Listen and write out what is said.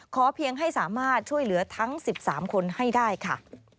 เพียงให้สามารถช่วยเหลือทั้ง๑๓คนให้ได้ค่ะ